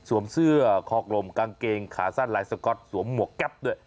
เสื้อคอกลมกางเกงขาสั้นลายสก๊อตสวมหมวกแก๊ปด้วย